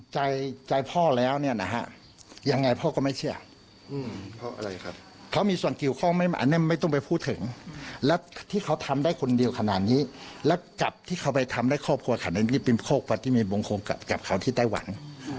ที่ไทยหวังดูแลขอเรื่องทุกอย่างตั้งแต่ภายการดูแลตัวโควิดมีกระต่าจริง